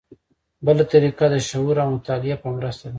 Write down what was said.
بله طریقه د شعور او مطالعې په مرسته ده.